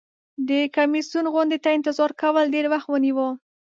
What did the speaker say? د کمیسیون غونډې ته انتظار کول ډیر وخت ونیو.